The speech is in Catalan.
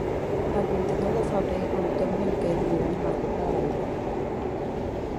El vint-i-nou de febrer en Tom i en Quer aniran a la Pobla de Vallbona.